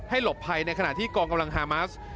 หลบภัยในขณะที่กองกำลังฮามัส